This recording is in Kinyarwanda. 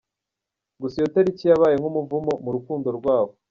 Gusa iyo tariki yabaye nkumuvumo mu rukundo rwabo,.